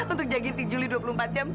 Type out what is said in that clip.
untuk jagiin si juli dua puluh empat jam